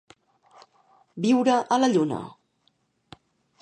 Viure a la lluna.